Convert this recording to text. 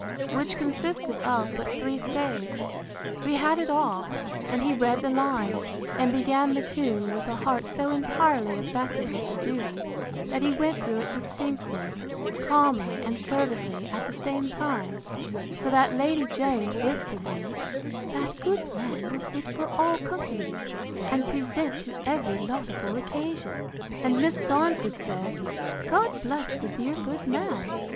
] which consisted of but three staves, we had it all; and he read the line, and began the tune with a heart so entirely affected with the duty, that he went through it distinctly, calmly, and fervently at the same time; so that Lady Jones whispered me, That good man were fit for all companies, and present to every laudable occasion: And Miss Darnford said, God bless the dear good man!